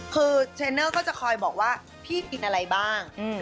คือเทรนเนอร์ก็จะคอยบอกว่าพี่กินอะไรบ้าง